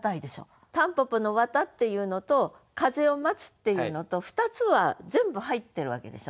蒲公英の「絮」っていうのと「風を待つ」っていうのと２つは全部入ってるわけでしょ。